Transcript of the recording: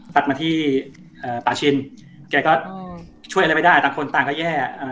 ตัดมาที่ป่าชินแกก็ช่วยอะไรไม่ได้ต่างคนต่างก็แย่